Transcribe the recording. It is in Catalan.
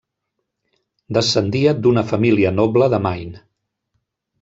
Descendia d'una família noble de Maine.